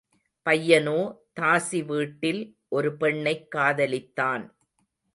பையனோ தாசி வீட்டில் ஒரு பெண்ணைக் காதலித்தான்.